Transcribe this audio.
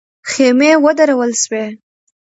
خېمې ودرول سوې.